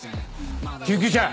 救急車。